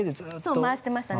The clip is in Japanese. そう回してましたね。